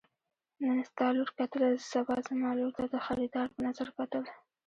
نن ستا لور کتله سبا زما لور ته د خريدار په نظر کتل.